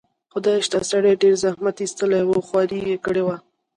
خدای شته، سړي ډېر زحمت ایستلی و، خواري یې کړې وه.